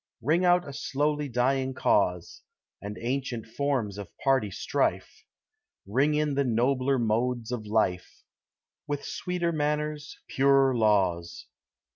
Ring out a slowly dying cause, And ancient forms of party strife; Ring in the nobler modes of life, With sweeter manners, purer laws.